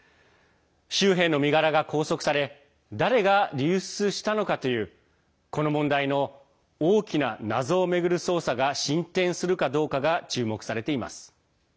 州兵の身柄が拘束され誰が流出したのかというこの問題の大きな謎を巡る捜査が進展するかどうかが注目されています。